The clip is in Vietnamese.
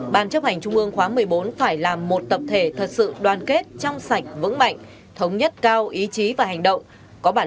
ban chấp hành trung ương khóa một mươi bốn phải làm một tập thể thật sự đoàn kết trong sạch vững mạnh thống nhất cao ý chí và hành động